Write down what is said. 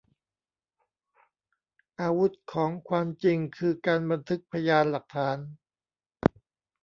อาวุธของความจริงคือการบันทึกพยานหลักฐาน